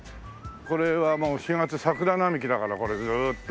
これはもう４月桜並木だからこれずーっと。